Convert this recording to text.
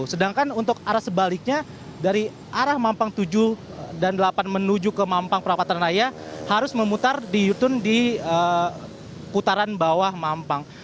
sedangkan untuk arah sebaliknya dari arah mampang tujuh dan delapan menuju ke mampang perapatan raya harus memutar di yutun di putaran bawah mampang